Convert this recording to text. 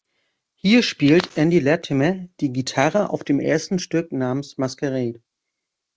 Hier spielt Andy Latimer die Gitarre auf dem ersten Stück namens "Masquerade".